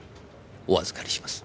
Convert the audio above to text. お預かりします。